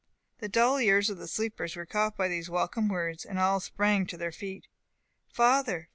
The dull ears of the sleepers were caught by these welcome words, and all sprang to their feet. "Father!